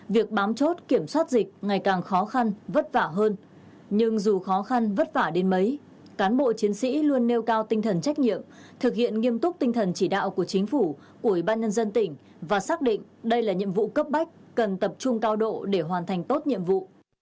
việc bám chốt kiểm soát dịch ngày càng khó khăn vất vả hơn nhưng dù khó khăn vất vả đến mấy cán bộ chiến sĩ luôn nêu cao tinh thần trách nhiệm thực hiện nghiêm túc tinh thần chỉ đạo của chính phủ của ủy ban nhân dân tỉnh và xác định đây là nhiệm vụ cấp bách cần tập trung cao độ để hoàn thành tốt nhiệm vụ